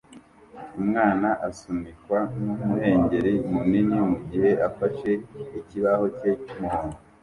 Umwana asunikwa numuhengeri munini mugihe afashe ikibaho cye cyumuhondo